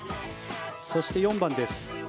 そして、４番です。